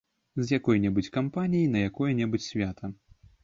З якой-небудзь кампаніяй, на якое-небудзь свята.